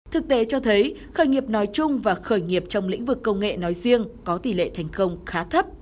thực tế cho thấy khởi nghiệp nói chung và khởi nghiệp trong lĩnh vực công nghệ nói riêng có tỷ lệ thành công khá thấp